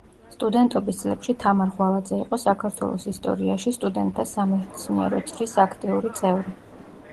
სტუდენტობის წლებში თამარ ღვალაძე იყო საქართველოს ისტორიაში სტუდენტთა სამეცნიერო წრის აქტიური წევრი.